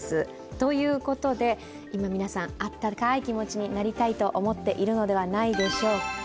ということで、今、皆さんあったかーい気持ちになりたいと思ってらっしゃるのではないでしょうか。